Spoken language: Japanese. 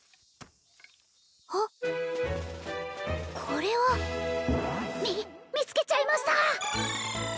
あっこれはみ見つけちゃいました